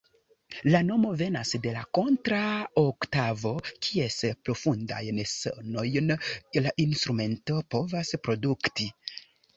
La nomo venas de la kontra-oktavo, kies profundajn sonojn la instrumento povas produkti.